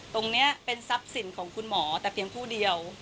ตรงนี้เป็นทรัพย์สินของคุณหมอแต่เพียงผู้เดียว